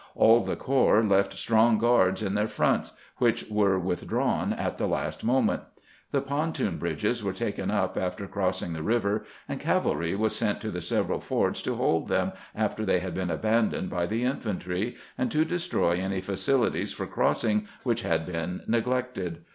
All the corps left strong guards in their fronts, which were withdrawn at the last moment. The pontoon bridges were taken up after crossing the river, and cavalry was sent to the several fords to hold them after they had been abandoned by the infantry, and to destroy any facilities for crossing which had been neglected.